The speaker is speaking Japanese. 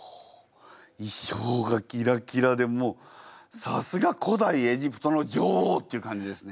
衣装がギラギラでもうさすが古代エジプトの女王っていう感じですね。